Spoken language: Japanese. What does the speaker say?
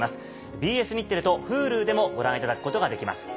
ＢＳ日テレとＨｕｌｕでもご覧いただくことができます。